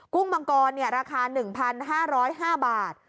ุ้งมังกรราคา๑๕๐๕บาท